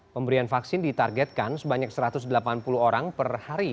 pemberian vaksin ditargetkan sebanyak satu ratus delapan puluh orang per hari